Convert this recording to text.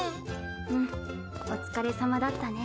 うんお疲れさまだったね。